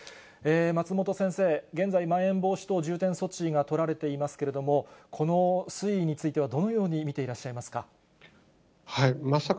松本先生、現在、まん延防止等重点措置が取られていますけれども、この推移については、どのように見ていらっしゃいますか。